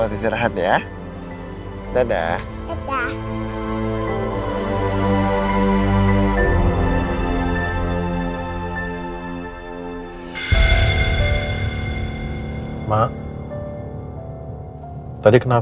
ma tadi kenapa elsa mau bicara berdua sama kamu kalian bicarain apa